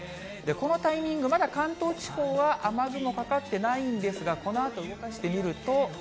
このタイミング、まだ関東地方は雨雲かかってないんですが、このあと動かしてみると。